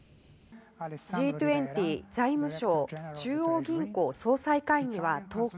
Ｇ２０・財務相・中央銀行総裁会議は１０日